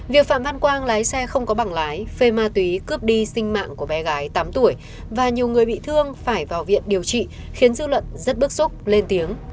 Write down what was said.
việc phạm văn quang lái xe không có bảng lái phê ma túy cướp đi sinh mạng của bé gái tám tuổi và nhiều người bị thương phải vào viện điều trị khiến dư luận rất bức xúc lên tiếng